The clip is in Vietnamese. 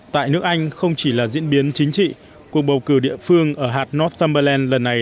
tại nước anh không chỉ là diễn biến chính trị cuộc bầu cử địa phương ở hạt northbaland lần này